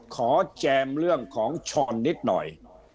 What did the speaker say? แจมเรื่องของช้อนนิดหน่อย